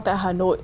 tại hà nội